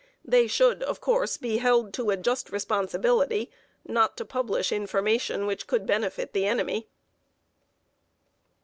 They should, of course, be held to a just responsibility not to publish information which could benefit the enemy.